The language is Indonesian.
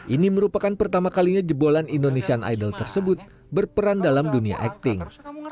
ini merupakan pertama kalinya jebolan indonesian idol tersebut berperan dalam dunia acting